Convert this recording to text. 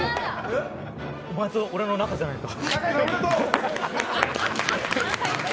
お前と俺の仲じゃないか。